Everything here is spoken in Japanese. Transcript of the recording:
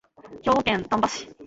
兵庫県丹波市